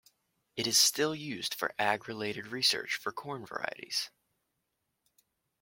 It is still used for Ag related research for corn varieties.